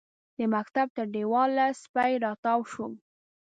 د مکتب تر دېواله سپی راتاو شو.